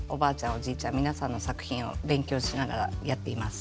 おじいちゃん皆さんの作品を勉強しながらやっています。